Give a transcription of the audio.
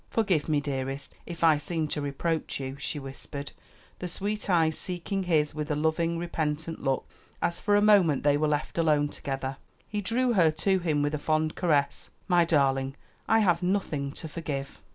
"Forgive me, dearest, if I seemed to reproach you," she whispered, the sweet eyes seeking his with a loving, repentant look, as for a moment they were left alone together. He drew her to him with a fond caress. "My darling, I have nothing to forgive."